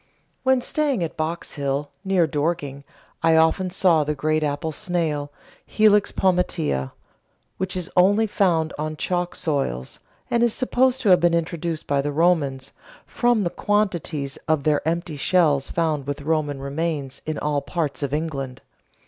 When staying at Box Hill, near Dorking, I often saw the great apple snail, Helix Pomatia, which is only found on chalk soils, and is supposed to have been introduced by the Romans, from the quantities of their empty shells found with Roman remains in all parts of England.